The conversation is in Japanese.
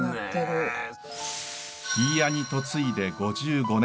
杼屋に嫁いで５５年。